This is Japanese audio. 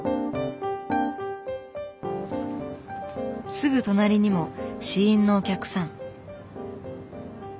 すぐ隣にも試飲のお客さん。